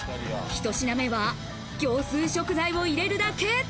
ひと品目は業スー食材を入れるだけ。